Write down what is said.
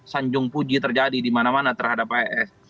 sanjung puji terjadi dimana mana terhadap hrsi